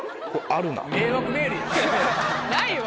ないわ。